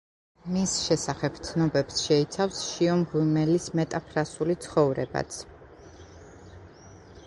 მის შესახებ ცნობებს შეიცავს შიო მღვიმელის მეტაფრასული „ცხოვრებაც“.